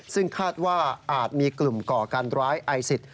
ซึ่งคาดว่าอาจมีกลุ่มก่อการร้ายไอซิส